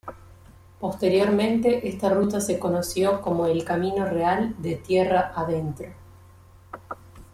Posteriormente esta ruta se conoció como el el Camino Real de Tierra Adentro.